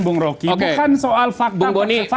bukan soal fakta